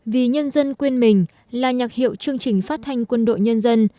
vì nhân dân quên mình là nhạc hiệu chương trình phát thanh quân đội nhân dân